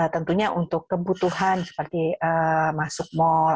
tentunya untuk kebutuhan seperti masuk mal